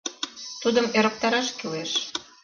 Тудым ӧрыктараш кӱлеш.